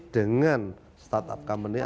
dengan startup company